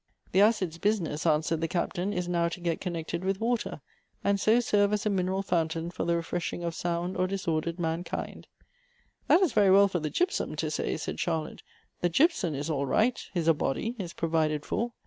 " The acid's business," answered the Captain, "is now to get connected with water, and so serve as a mineral fountain for the refreshing of sound or disordered man kind." 42 Goethe's "That is very well for the gypsum to say," said Char lotte. " The gypsum is all right, is a body, is provided for.